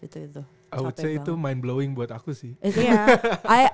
i would say itu mind blowing buat aku sih